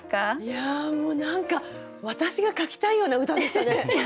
いやもう何か私が書きたいような歌でしたね。